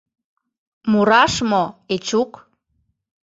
Мураш мо, Эчук?